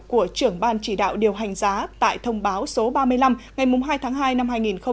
của trưởng ban chỉ đạo điều hành giá tại thông báo số ba mươi năm ngày hai tháng hai năm hai nghìn hai mươi